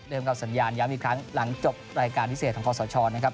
กับสัญญาณย้ำอีกครั้งหลังจบรายการพิเศษของคอสชนะครับ